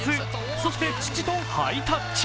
そして父とハイタッチ。